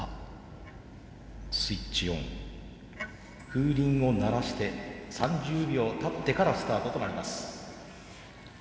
風鈴を鳴らして３０秒たってからスタートとなります。